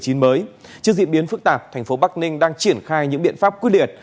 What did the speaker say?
trước diễn biến phức tạp thành phố bắc ninh đang triển khai những biện pháp quy địệt